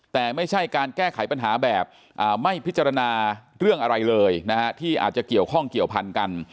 แต่ไม่ใช่การแก้ไขปัญหาแบบไม่พิจารณาเรื่องอะไรเลยนะฮะที่อาจจะเกี่ยวข้องเกี่ยวพันกัน